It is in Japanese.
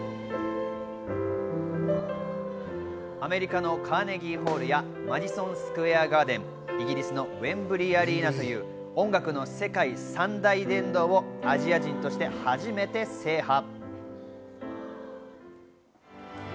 アメリカのカーネギー・ホールやマディソン・スクエア・ガーデン、イギリスのウェンブリー・アリーナという音楽の世界三大殿堂をアジア人として初めて制覇。